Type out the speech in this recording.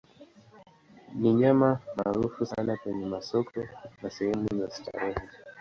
Ni nyama maarufu sana kwenye masoko na sehemu za starehe.